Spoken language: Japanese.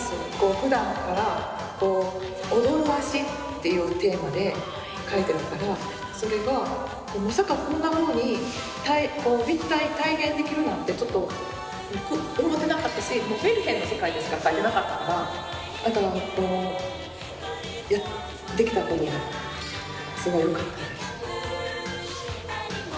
ふだんから「踊る足」っていうテーマで描いてるからそれがまさかこんなふうに立体で体現できるなんて思ってなかったしメルヘンの世界でしか描いてなかったから出来たことがすごいよかったです。